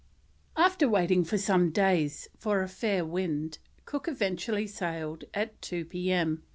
After waiting for some days for a fair wind, Cook eventually sailed at 2 P.M.